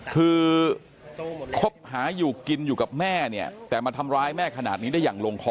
คือคบหาอยู่กินอยู่กับแม่เนี่ยแต่มาทำร้ายแม่ขนาดนี้ได้อย่างลงคอ